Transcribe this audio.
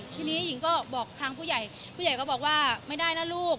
ทีนี้หญิงก็บอกทางผู้ใหญ่ผู้ใหญ่ก็บอกว่าไม่ได้นะลูก